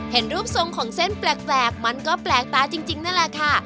เห็นรูปทรงของเส้นแปลกมันก็แปลกตาจริงนั่นแหละค่ะ